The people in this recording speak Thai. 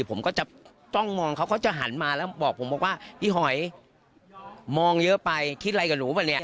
ผมก็จะจ้องมองเขาก็จะหันมาแล้วบอกผมบอกว่าพี่หอยมองเยอะไปคิดอะไรกับหนูป่ะเนี่ย